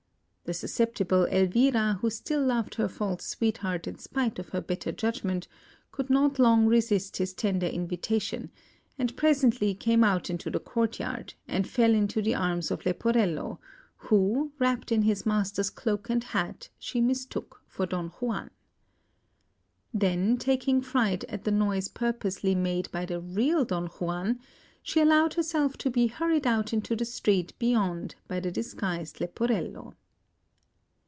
The susceptible Elvira, who still loved her false sweetheart in spite of her better judgment, could not long resist this tender invitation, and presently came out into the courtyard, and fell into the arms of Leporello, who, wrapped in his master's cloak and hat, she mistook for Don Juan. Then, taking fright at a noise purposely made by the real Don Juan, she allowed herself to be hurried out into the street beyond by the disguised Leporello.